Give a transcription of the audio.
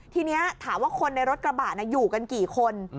ทีนี้ถามว่าคนในรถกระบะอยู่กันกี่คน